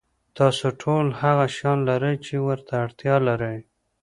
تاسو ټول هغه شیان لرئ چې ورته اړتیا لرئ.